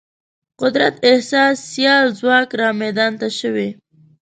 قدرت احساس سیال ځواک رامیدان ته شوی.